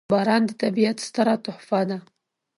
• باران د طبیعت ستره تحفه ده.